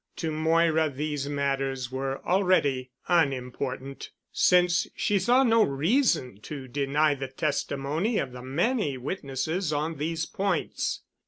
To Moira these matters were already unimportant, since she saw no reason to deny the testimony of the many witnesses on these points.